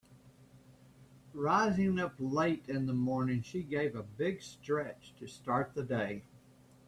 Rising up late in the morning she gave a big stretch to start the day.